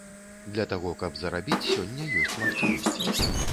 Для таго каб зарабіць, сёння ёсць магчымасці.